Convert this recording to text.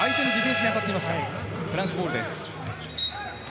フランスボールです。